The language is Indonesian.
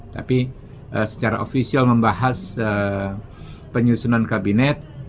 tapi secara ofisial membahas penyusunan kabinet